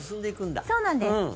そうなんです。